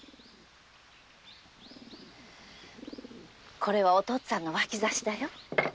これはお父ちゃんの脇差だよ。